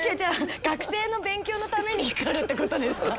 学生の勉強のために光るってことですか？